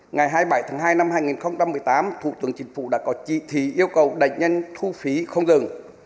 ngày hai mươi bảy tháng hai năm hai nghìn một mươi tám thủ tướng chính phủ đã có chỉ thị yêu cầu đẩy nhanh thu phí không dừng